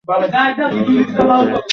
বহু সন্ন্যাসী ও মানুষ আসেন এখানে পুজো দিতে।